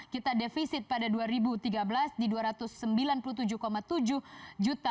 kita defisit pada dua ribu tiga belas di dua ratus sembilan puluh tujuh tujuh juta